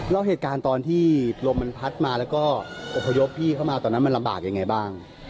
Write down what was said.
แล้วเหตุการณ์ตอนที่ลมมันพัดมาแล้วก็อบพยพพี่เข้ามาตอนนั้นมันลำบากยังไงบ้าง